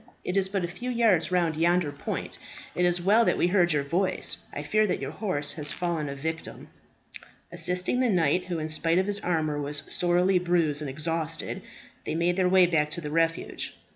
"It is but a few yards round yonder point. It is well that we heard your voice. I fear that your horse has fallen a victim." Assisting the knight, who, in spite of his armour, was sorely bruised and exhausted, they made their way back to the refuge.